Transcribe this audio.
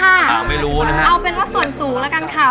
เอาเป็นว่าส่วนสูงแหละกันค่ะ